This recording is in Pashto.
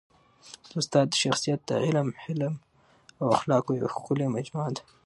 د استاد شخصیت د علم، حلم او اخلاقو یوه ښکلي مجموعه ده.